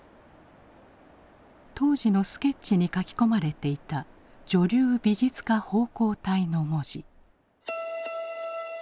当時のスケッチに書き込まれていた「女流美術家奉公隊」の文字。